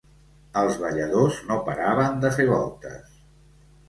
Els balladors no paraven de fer voltes.